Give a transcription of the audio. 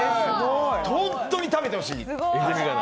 ホントに食べてほしい。